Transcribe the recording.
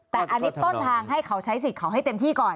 แต่อันนี้ต้นทางให้เขาใช้สิทธิ์เขาให้เต็มที่ก่อน